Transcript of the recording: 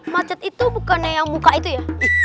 macet itu bukan yang muka itu ya